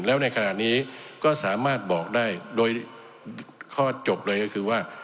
แล้วในขณะนี้ก็สามารถบอกได้โดยข้อจบเลยก็คือว่า